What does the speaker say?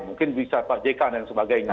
mungkin bisa pak jk dan sebagainya